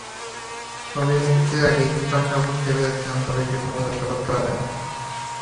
ছবি মুক্তির আগেই বিপাশা বুঝতে পেরেছিলেন ছবিটি ভালো ব্যবসা করতে পারবে না।